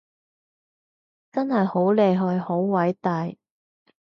真係好厲害好偉大